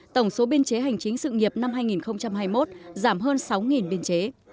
tổng số biên chế hành chính sự nghiệp năm hai nghìn hai mươi một giảm hơn sáu biên chế